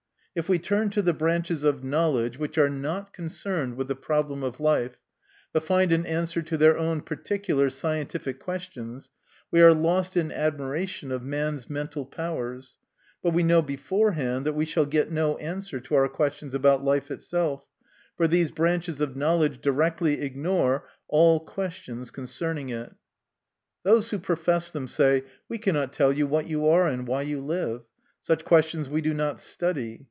If we turn to the branches of knowledge 44 MY CONFESS/ON. which are not concerned with the problem of life, but find an answer to their own particular scientific questions, we are lost in admiration of man's mental powers ; but we know before hand that we shall get no answer to our questions about life itself, for these branches of knowledge directly ignore all questions concerning it. Those who profess them say, " We cannot tell you what you are and why you live ; such questions we do not study.